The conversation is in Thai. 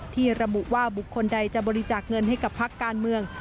ที่ระบุว่าบุคคลใดจะบริจาคเงินให้กับพักการเมือง